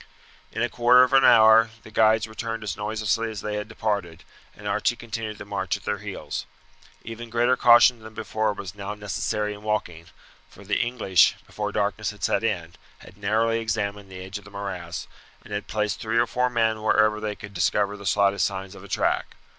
In a quarter of an hour the guides returned as noiselessly as they had departed, and Archie continued the march at their heels. Even greater caution than before was now necessary in walking, for the English, before darkness had set in, had narrowly examined the edge of the morass, and had placed three or four men wherever they could discover the slightest signs of a track.